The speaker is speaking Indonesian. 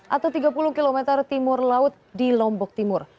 atau tiga puluh km timur laut di lombok timur